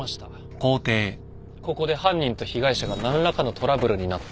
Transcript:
ここで犯人と被害者が何らかのトラブルになった。